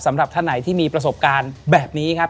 สำหรับท่านไหนที่มีประสบการณ์แบบนี้ครับ